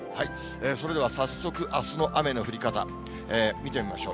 それでは早速、あすの雨の降り方見てみましょう。